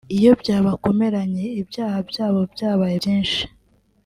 iyo byabakomeranye ibyaha byabo byabaye byinshi